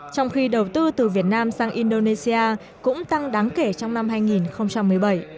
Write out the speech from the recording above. trong khi đầu tư từ việt nam sang indonesia cũng tăng đáng kể trong năm hai nghìn một mươi bảy